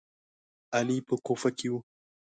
علي په کوفه کې و.